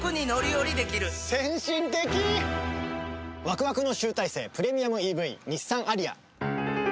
ワクワクの集大成プレミアムＥＶ日産アリア。